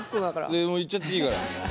いやもういっちゃっていいから。